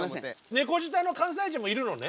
猫舌の関西人もいるのね。